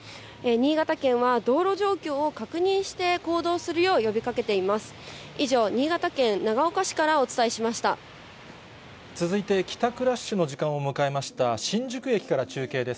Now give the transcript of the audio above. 新潟県は道路状況を確認して行動するよう呼びかけています。